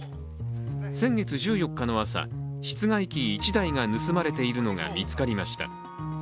先月１４日の朝、室外機１台が盗まれているのが見つかりました。